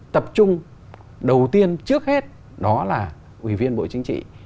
tập trung đầu tiên trước hết đó là ủy viên bộ chính trị